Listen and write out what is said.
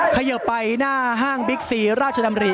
เขยิบไปหน้าห้างบิ๊กซีราชดำรี